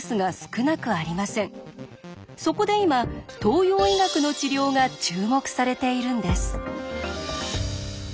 そこで今東洋医学の治療が注目されているんです。